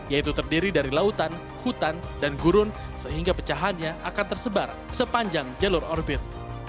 yaitu terdiri dari lautan hutan dan gurun sehingga pecahannya akan tersebar sepanjang jalur orbit